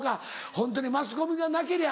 ホントにマスコミがなけりゃ。